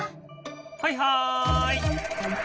はいはい！